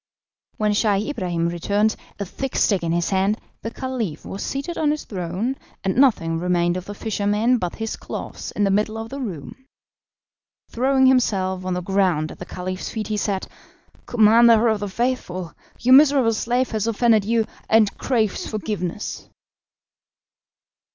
When Scheih Ibrahim returned, a thick stick in his hand, the Caliph was seated on his throne, and nothing remained of the fisherman but his clothes in the middle of the room. Throwing himself on the ground at the Caliph's feet, he said: "Commander of the Faithful, your miserable slave has offended you, and craves forgiveness."